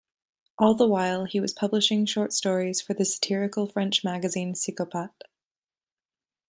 All the while, he was publishing short stories for the satirical French magazine "Psikopat".